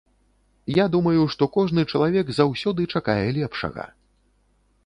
Я думаю, што кожны чалавек заўсёды чакае лепшага.